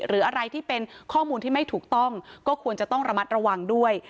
หรืออะไรที่เป็นข้อมูลที่ไม่ถูกต้องก็ควรจะต้องระมัดระวังด้วย